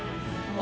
あ。